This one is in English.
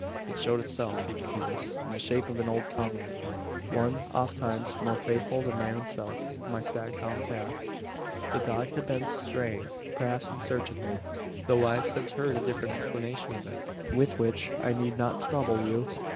"It showed itself," he continues, "in the shape of an old comrade one ofttimes more faithful than man himself my staghound, Tara. "The dog had been straying perhaps in search of me though I've since heard a different explanation of it, with which I need not trouble you.